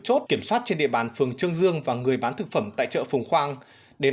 chốt kiểm soát trên địa bàn phường trương dương và người bán thực phẩm tại chợ phùng khoang đến